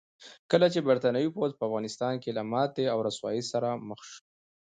کله چې برتانوي پوځ په افغانستان کې له ماتې او رسوایۍ سره مخ شو.